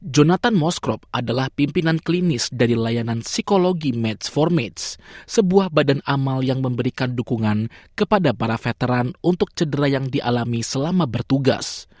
jonathan moskrop adalah pimpinan klinis dari layanan psikologi meds empat meds sebuah badan amal yang memberikan dukungan kepada para veteran untuk cedera yang dialami selama bertugas